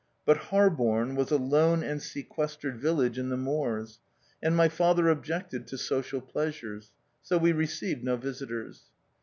But Harborne was a lone and sequestered village in the moors, and my father objected to social pleasures ; so we received no visitors.